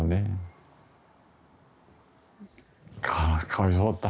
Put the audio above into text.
かわいそうだった。